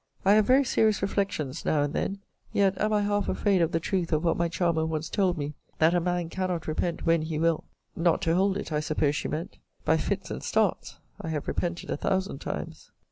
I have very serious reflections now and then. Yet am I half afraid of the truth of what my charmer once told me, that a man cannot repent when he will. Not to hold it, I suppose she meant! By fits and starts I have repented a thousand times.